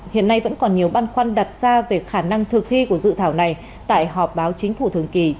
hiện nay vẫn còn nhiều băn khoăn đặt ra về khả năng thực thi của dự thảo này tại họp báo chính phủ thường kỳ